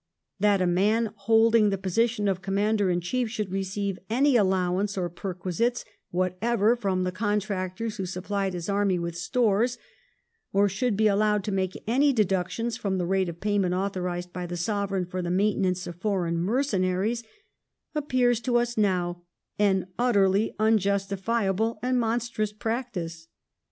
That a man holding the position of Commander in Chief should receive any allowances or perquisites whatever from the contractors who supplied his army with stores, or should be allowed to make any deduc tions from the rate of payment authorised by the Sovereign for the maintenance of foreign mercenaries, appears to us now an utterly unjustifiable and mon strous practice.